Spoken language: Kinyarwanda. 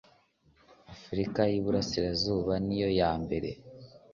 Afurika y Iburasirazuba niyo yambere